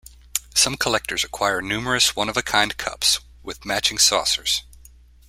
Some collectors acquire numerous one-of-a-kind cups with matching saucers.